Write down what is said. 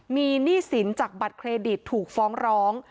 มีหนี้สินจากบัตรเครดิตถูกฟ้องร้อง